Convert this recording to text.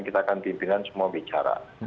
kita akan pimpinan semua bicara